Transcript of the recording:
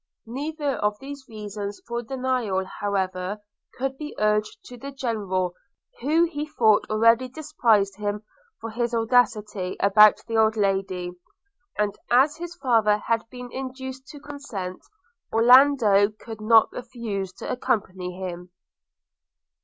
Neither of these reasons for denial, however, could be urged to the General, who he thought already dispised him for his assiduity about the old lady; and as his father had been induced to consent, Orlando could not refuse to accompany him.